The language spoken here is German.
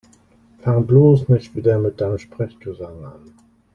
Fang bloß nicht wieder mit deinem Sprechgesang an!